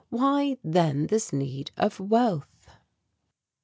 Why then this need of wealth?"